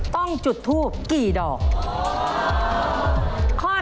ต้องจุดทูปกี่ดอกครับ